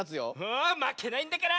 あまけないんだから！